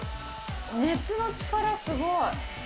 熱の力すごい。